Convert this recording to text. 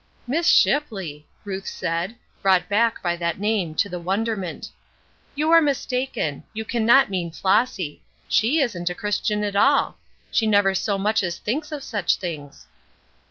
"Miss Shipley!" Ruth said, brought back by that name to the wonderment. "You are mistaken. You can not mean Flossy. She isn't a Christian at all. She never so much as thinks of such things."